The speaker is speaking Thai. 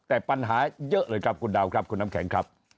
แต่ปัญหาเยอะเลยครับคุณดาวครับคุณน้ำแข็งครับ